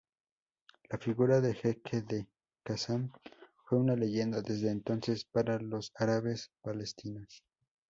La figura del Jeque al-Qassam fue una leyenda desde entonces para los árabes palestinos.